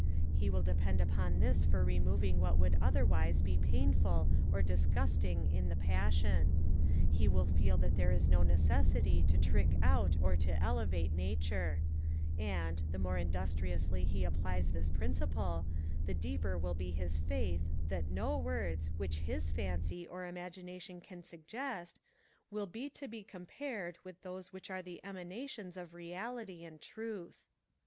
He will depend upon this for removing what would otherwise be painful or disgusting in the passion; he will feel that there is no necessity to trick out or to elevate nature: and, the more industriously he applies this principle, the deeper will be his faith that no words, which his fancy or imagination can suggest, will be to be compared with those which are the emanations of reality and truth.